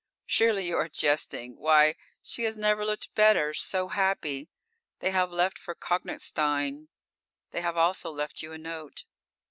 Surely you are jesting. Why she has never looked better. So happy. They have left for Konigstein. They have also left you a note.